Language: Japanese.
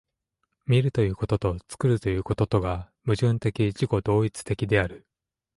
見るということと作るということとが矛盾的自己同一的である。